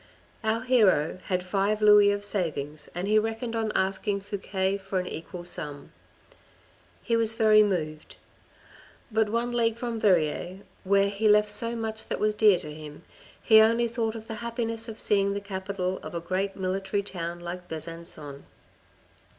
Our hero had five louis of savings and he reckoned on ask ing Fouque for an equal sum. He was very moved. But one league from Verrieres, where he left so much that was dear to him, he only thought of the happiness of seeing the capital of a great military town like Besancon.